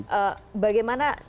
oke oke bagaimana